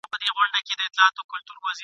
د نرګس او د غاټول له سترګو توی کړل !.